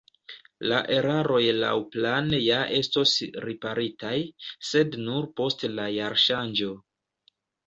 La eraroj laŭplane ja estos riparitaj, sed nur post la jarŝanĝo.